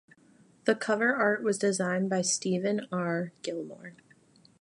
The cover art was designed by Steven R. Gilmore.